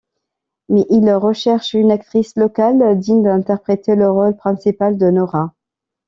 Mais il recherche une actrice locale digne d'interpréter le rôle principal de Nora.